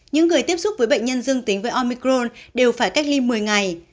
những người tiếp xúc với bệnh nhân dương tính với omicron đều phải cách ly một mươi ngày